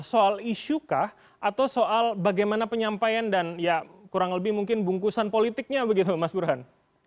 soal isu kah atau soal bagaimana penyampaian dan ya kurang lebih mungkin bungkusan politiknya begitu mas burhan